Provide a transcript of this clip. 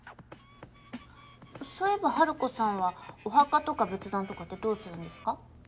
そういえばハルコさんはお墓とか仏壇とかってどうするんですか？